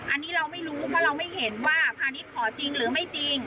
อันนี้เราไม่รู้เพราะเราไม่เห็นว่าพาณิชย์ขอจริงหรือไม่จริง